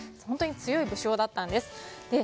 本当に強い武将だったんです。